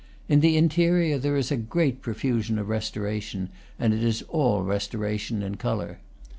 In the interior there is a profusion of res toration, and it is all restoration in color.